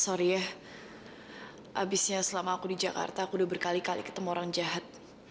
sorry ya abisnya selama aku di jakarta aku udah berkali kali ketemu orang jahat